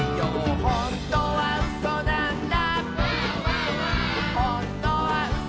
「ほんとにうそなんだ」